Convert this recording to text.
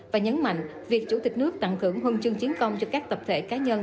và nhấn mạnh việc chủ tịch nước tặng thưởng huân chương chiến công cho các tập thể cá nhân